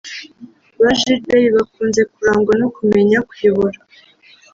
Ba Gilbert bakunze kurangwa no kumenya kuyobora